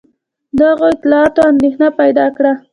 دغو اطلاعاتو اندېښنه پیدا کړه.